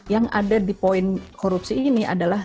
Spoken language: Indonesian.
yang ada di poin korupsi ini adalah